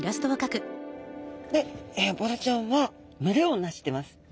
ボラちゃんは群れを成してます。